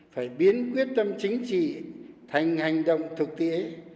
phải biến quyết tâm chính trị thành hành động thực tế